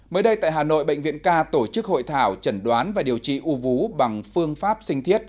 mới đây tại hà nội bệnh viện k tổ chức hội thảo chẩn đoán và điều trị u vú bằng phương pháp sinh thiết